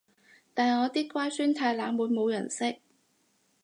但我啲乖孫太冷門冇人識